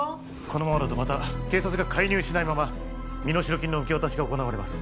このままだとまた警察が介入しないまま身代金の受け渡しが行われます